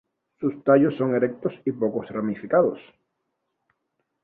Sus tallos son erectos y poco ramificados.